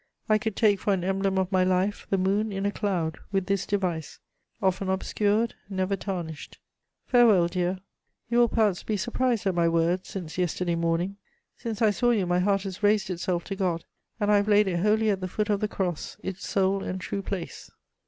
I could take for an emblem of my life the moon in a cloud, with this device: 'Often obscured, never tarnished.' Farewell, dear. You will perhaps be surprised at my words since yesterday morning. Since I saw you, my heart has raised itself to God, and I have laid it wholly at the foot of the Cross, its sole and true place."